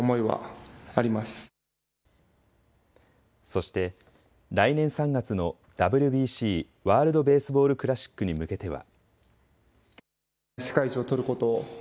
そして来年３月のＷＢＣ・ワールド・ベースボール・クラシックに向けては。